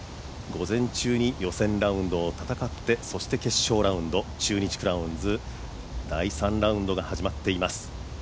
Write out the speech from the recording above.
午前中に予選ラウンドを戦ってそして決勝ラウンド、中日クラウンズ第３ラウンドが始まっています。